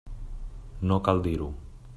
No cal dir-ho.